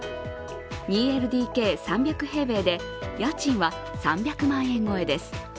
２ＬＤＫ、３００平米で家賃は３００万円超えです。